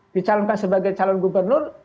dicalonkan sebagai calon gubernur